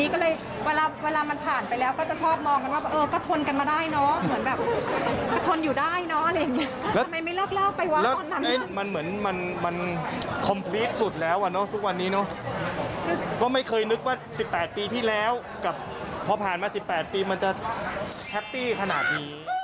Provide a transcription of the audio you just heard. ก็เลยเวลาก็ไม่เคยนึกว่า๑๘ปีที่แล้วกับพอผ่านมา๑๘ปีมันจะแฮปปี้ขนาดนี้